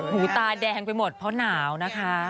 หูตาแดงไปหมดเพราะหนาวนะคะ